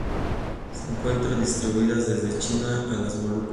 Se encuentra distribuidas desde China a las Molucas.